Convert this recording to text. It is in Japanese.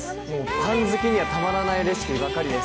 パン好きにはたまらないレシピばかりです。